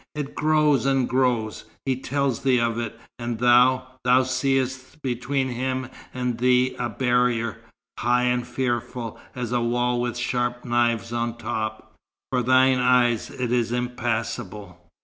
It grows and grows. He tells thee of it; and thou thou seest between him and thee a barrier, high and fearful as a wall with sharp knives on top. For thine eyes it is impassable.